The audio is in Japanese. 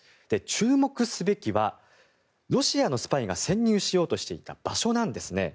注目すべきはロシアのスパイが潜入しようとしていた場所なんですね。